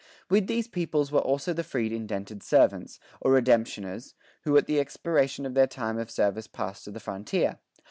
With these peoples were also the freed indented servants, or redemptioners, who at the expiration of their time of service passed to the frontier.